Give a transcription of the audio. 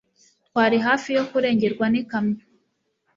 Twari hafi kurengerwa n'ikamyo.